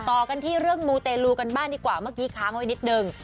ต่อกันที่เรื่องมูเตลูกันบ้างดีกว่าเมื่อกี้ค้างไว้นิดนึง